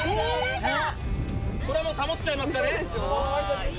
・これもうタモっちゃいますかね・おぉ。